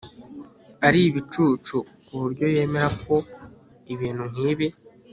Ari ibicucu kuburyo yemera ko ibintu nkibi